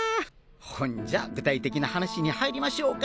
ほんじゃ具体的な話に入りましょうか？